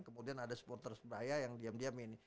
kemudian ada supporter persebaya yang diam diam ini